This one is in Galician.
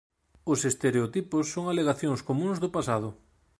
Os estereotipos son alegacións comúns do pasado.